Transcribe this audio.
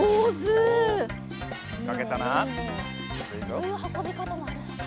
そういうはこびかたもあるんだ。